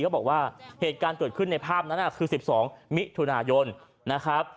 เขาบอกว่าเหตุการณ์เกิดขึ้นในภาพนั้นคือ๑๒มิถุนายนนะครับ